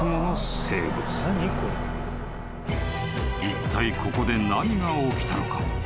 ［いったいここで何が起きたのか？］